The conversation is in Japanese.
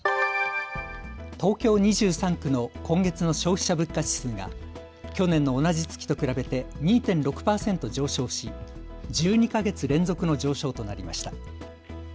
東京２３区の今月の消費者物価指数が去年の同じ月と比べて２．６％上昇し１２か月連続の上昇となりました。